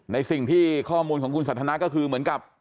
ในสิ่งที่ข้อมูลของคุณสันทนาก็คือเหมือนกับ